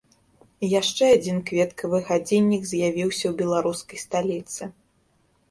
Яшчэ адзін кветкавы гадзіннік з'явіўся ў беларускай сталіцы.